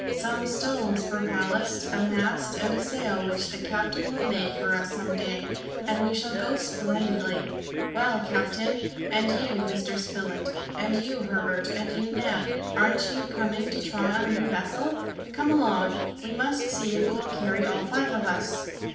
Some stones for ballast, a mast, and a sail, which the captain will make for us some day, and we shall go splendidly! Well, captain and you, Mr. Spilett; and you, Herbert; and you, Neb aren't you coming to try our new vessel? Come along! we must see if it will carry all five of us!"